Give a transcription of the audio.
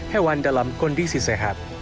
hewan dalam kondisi sehat